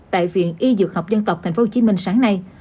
tại viện y dược học dân tộc tp hcm sáng nay